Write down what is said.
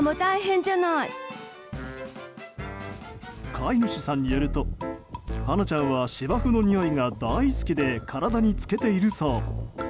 飼い主さんによるとはなちゃんは芝生のにおいが大好きで体につけているそう。